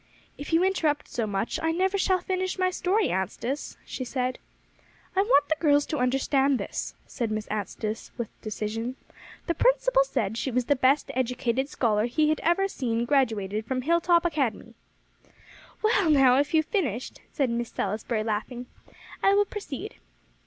"If you interrupt so much, I never shall finish my story, Anstice," she said. "I want the girls to understand this," said Miss Anstice with decision. "The principal said she was the best educated scholar he had ever seen graduated from Hilltop Academy." "Well, now if you have finished," said Miss Salisbury, laughing, "I will proceed.